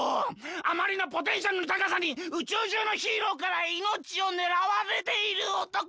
あまりのポテンシャルのたかさにうちゅうじゅうのヒーローからいのちをねらわれているおとこ！